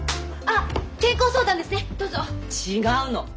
違うの。